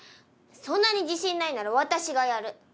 そんなに自信ないなら私がやる。